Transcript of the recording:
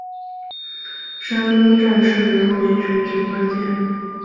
山东战事仍为全局关键。